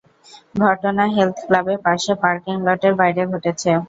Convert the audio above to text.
ঘটনা হেলথ ক্লাবে পাশে পার্কিং লটের বাইরে ঘটেছে।